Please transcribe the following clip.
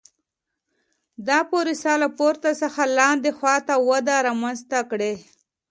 دا پروسه له پورته څخه لاندې خوا ته وده رامنځته کړي